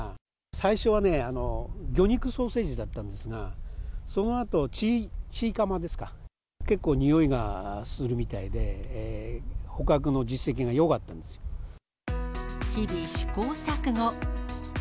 最初はね、魚肉ソーセージだったんですが、そのあと、チーカマですか、結構、においがするみたいで、日々試行錯誤。